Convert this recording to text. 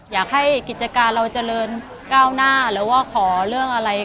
อยากให้กิจการเราเจริญก้าวหน้าหรือว่าขอเรื่องอะไร